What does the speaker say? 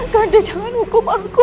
kanda jangan hukum aku